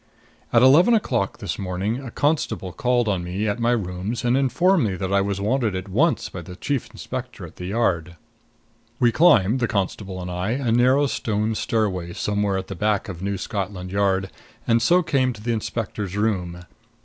At eleven o'clock this morning a constable called on me at my rooms and informed me that I was wanted at once by the Chief Inspector at the Yard. We climbed the constable and I a narrow stone stairway somewhere at the back of New Scotland Yard, and so came to the inspector's room.